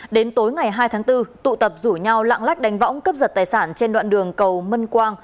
đến tối ngày hai tháng bốn tụ tập rủ nhau lạng lách đánh võng cấp giật tài sản trên đoạn đường cầu mân quang